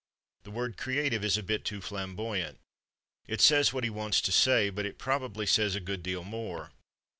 The word "creative" is a bit too flamboyant; it says what he wants to say, but it probably says a good deal more.